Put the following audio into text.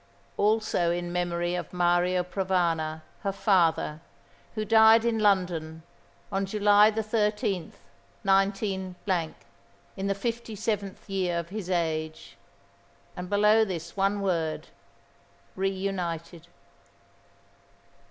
"Also in memory of Mario Provana, her father, who died in London, on July the thirteenth, 19 , in the fifty seventh year of his age." And below this one word "Re united."